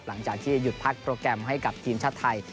หลังจากที่หยุดพักโปรแกรมให้กับทีมชาติไทย